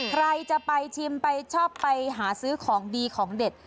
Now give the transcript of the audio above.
ใครจะไปชิมไปชอบไปหาซื้อของดีของเด็ด